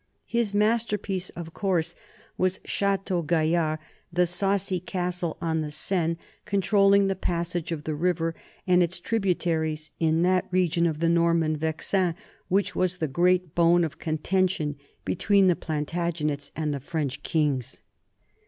His masterpiece, of course, was Chateau Gaillard, the saucy castle on the Seine controlling the passage of the river and its tributaries in that region of the Norman Vexin which was the great bone of conten tion between the Plantagenets and the French kings.